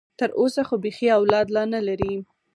تر اوسه خو بيخي اولاد لا نه لري.